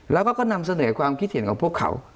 แล้วก็นำเสนอความคิดเห็นของพวกเขา